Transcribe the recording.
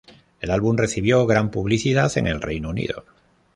El álbum recibió gran publicidad en el Reino Unido.